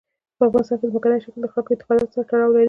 په افغانستان کې ځمکنی شکل د خلکو اعتقاداتو سره تړاو لري.